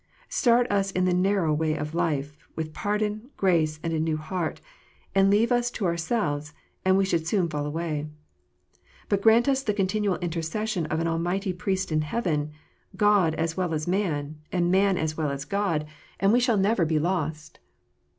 Start us in the narrow way of life, with pardon, grace, and a new heart, and leave us to ourselves, and we should soon fall away. But grant us the continual intercession of an Almighty Priest in heaven, God as well as Man, and Man as well as God, and we shall 252 KNOTS UNTIED. never be lost.